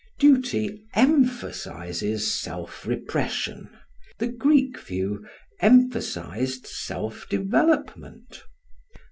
Duty emphasises self repression; the Greek view emphasised self development.